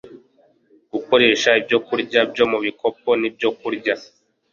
gukoresha ibyokurya byo mu bikopo n’ibyokurya